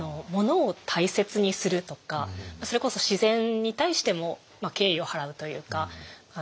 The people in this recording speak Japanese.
ものを大切にするとかそれこそ自然に対しても敬意を払うというか。